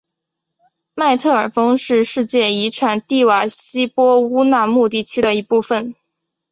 麦特尔峰是世界遗产蒂瓦希波乌纳穆地区的一部分。